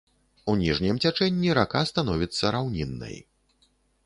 У ніжнім цячэнні рака становіцца раўніннай.